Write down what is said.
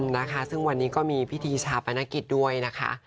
นะคะซึ่งวันนี้ก็มีพิธีชาปนกิจด้วยนะคะ